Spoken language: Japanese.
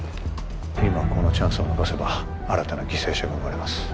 今このチャンスを逃せば新たな犠牲者が生まれます